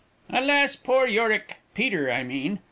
"Alas, poor Yorick! Peter, I mean.